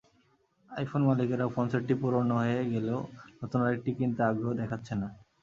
IPhone মালিকেরা ফোনসেটটি পুরোনো হয়ে গেলেও নতুন আরেকটি কিনতে আগ্রহ দেখাচ্ছেন না।